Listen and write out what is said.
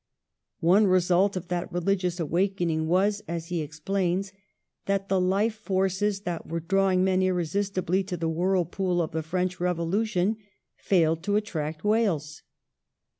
One result of that rehgious awakening was, as he explains, that 'the life forces that were drawing men irresistibly to the whirlpool of the French Eevolution failed to attract Wales.'